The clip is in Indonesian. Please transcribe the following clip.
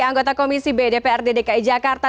anggota komisi bdpr dki jakarta